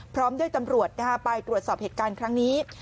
พร้อมด้วยตำรวจไปตรวจสอบเหตุการณ์ครั้งนี้